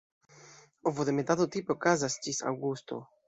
Ovodemetado tipe okazas ĝis aŭgusto.